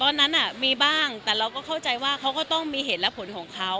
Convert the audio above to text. ตอนนั้นมีบ้างแต่เราก็เข้าใจว่าเขาก็ต้องมีเหตุและผลของเขา